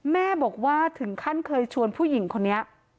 แม่บอกว่าถึงขั้นเคยชวนผู้หญิงคนนี้